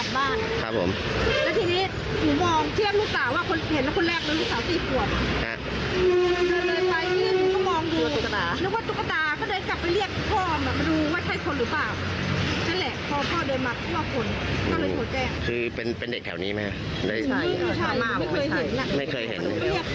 ไม่ใช่ไม่เคยเห็นไม่เคยเห็น